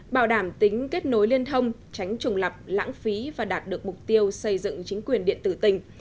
bảo đảm tính kết nối liên thông tránh trùng lập lãng phí và đạt được mục tiêu xây dựng chính quyền điện tử tỉnh